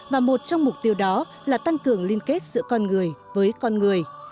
và một trong mục tiêu đó là tăng cường liên kết giữa con người với con người